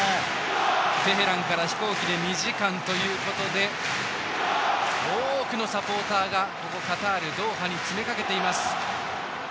テヘランから飛行機で２時間ということで多くのサポーターがここカタール・ドーハに詰めかけています。